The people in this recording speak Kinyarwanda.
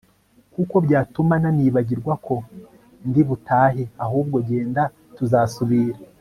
kuko byatuma nanibagirwa ko ndibutahe ahubwo genda tuzasubira